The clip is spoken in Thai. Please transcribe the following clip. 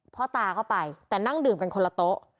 พ่อตาเข้าไปแต่นั่งดื่มกันคนละโต๊ะ